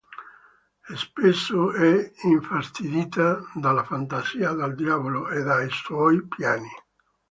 Spesso è infastidita dalla fantasia del Diavolo e dai suoi piani.